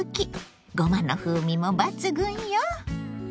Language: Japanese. ごまの風味も抜群よ！